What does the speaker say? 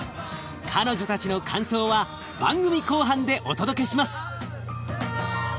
彼女たちの感想は番組後半でお届けします。